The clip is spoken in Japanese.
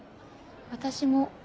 私も。